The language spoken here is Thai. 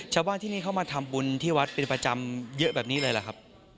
ชาวบ้านที่นี่เข้ามาทำบุญที่วัดเป็นประจำเยอะแบบนี้เลยหรือครับ